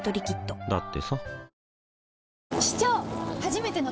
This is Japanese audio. だってさ